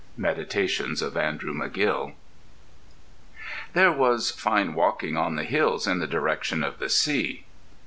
—Meditations of Andrew McGill. "There was fine walking on the hills in the direction of the sea."